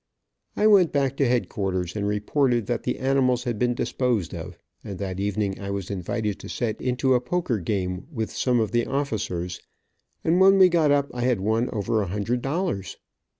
I went back to headquarters and reported that the animals had been disposed of, and that evening I was invited to set into a poker game with some of the officers, and when we got up I had won over a hundred dollars.